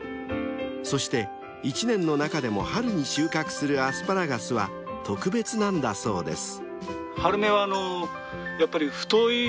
［そして１年の中でも春に収穫するアスパラガスは特別なんだそうです］